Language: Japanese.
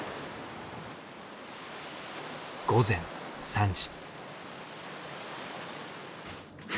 午前３時。